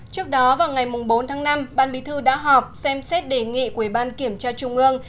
trước đó vào ngày bốn tháng năm ban bí thư đã họp xem xét đề nghị của ủy ban kiểm tra trung ương